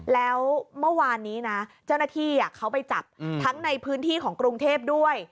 แล้วเมื่อวานนี้นะเจ้าหน้าที่เขาไปจับทั้งในพื้นที่ของกรุงเทพด้วย